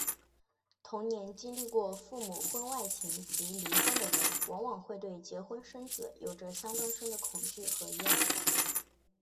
童年经历过父母婚外情及离婚的人往往会对结婚生子有着相当深的恐惧和厌恶。